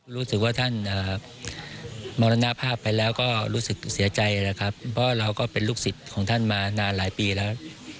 รู้สึกว่าท่านมรณภาพไปแล้วก็รู้สึกเสียใจนะครับเพราะเราก็เป็นลูกศิษย์ของท่านมานานหลายปีแล้ว